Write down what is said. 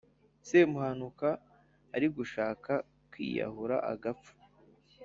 Semuhanuka arigushaka kwiyahura agapfa